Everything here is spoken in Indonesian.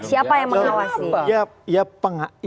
siapa yang mengawasi